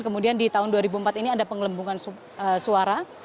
kemudian di tahun dua ribu empat ini ada penggelembungan suara